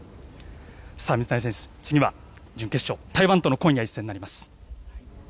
水谷選手、次は準決勝台湾との今夜、一戦になります。